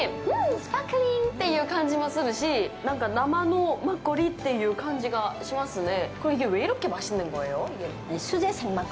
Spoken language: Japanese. スパークリングという感じもするし生のマッコリっていう感じがしますね。